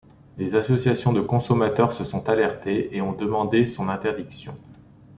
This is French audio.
Des associations de consommateurs se sont alertées et ont demandé son interdiction.